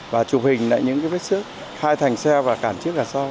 và chụp hình lại những vết xước hai thành xe và cản trước cản sau